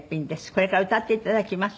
これから歌っていただきます